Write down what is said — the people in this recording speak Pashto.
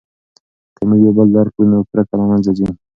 که موږ یو بل درک کړو نو کرکه له منځه ځي.